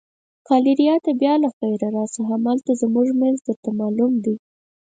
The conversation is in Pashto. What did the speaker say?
ګالیریا ته بیا له خیره راشه، همالته زموږ مېز درته معلوم دی.